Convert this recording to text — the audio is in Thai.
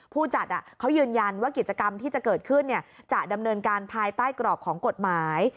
ผู้จัดเขายืนยันว่ากิจกรรมที่จะเกิดขึ้นจะดำเนินการภายใต้กรอบของกฎหมาย